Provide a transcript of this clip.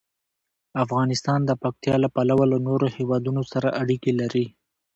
افغانستان د پکتیا له پلوه له نورو هېوادونو سره اړیکې لري.